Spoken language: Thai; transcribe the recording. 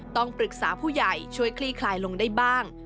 ต้องปรึกษาผู้ใหญ่ช่วยคลี่คลายลงได้บ้าง